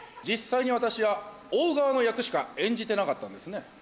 実際に私は追う側の役しか演じてなかったんですね。